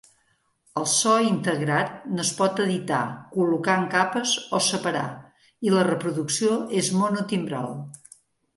El so integrat no es pot editar, col·locar en capes o separar, i la reproducció és monotimbral.